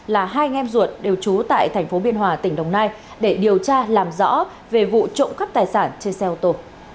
là hai anh em ruột đều trú tại tp biên hòa tỉnh đồng nai để điều tra làm rõ về vụ trộm khắp tài sản trên xe ô tô